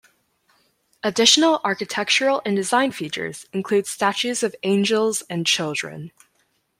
Additional architectural and design features include statues of angels and children.